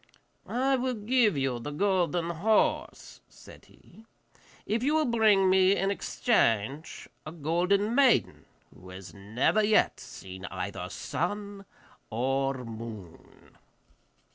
'I will give you the golden horse,' said he, 'if you will bring me in exchange a golden maiden who has never yet seen either sun or moon.